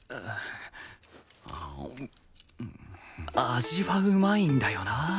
味はうまいんだよな